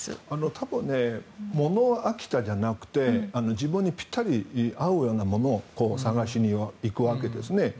多分ものに飽きたんじゃなくて自分にぴったり合うようなものを探しにいくわけですね。